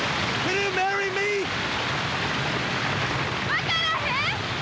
分からへん！